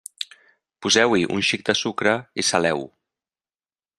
Poseu-hi un xic de sucre i saleu-ho.